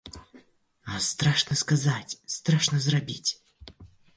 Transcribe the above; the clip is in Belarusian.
А страшна сказаць, страшна зрабіць.